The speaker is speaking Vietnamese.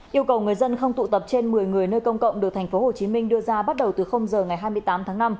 yêu cầu người dân không tụ tập trên một mươi người nơi công cộng được tp hcm đưa ra bắt đầu từ giờ ngày hai mươi tám tháng năm